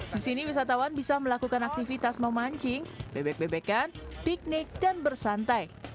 di sini wisatawan bisa melakukan aktivitas memancing bebek bebekan piknik dan bersantai